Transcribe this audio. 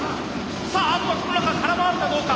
さああとは空回るかどうか。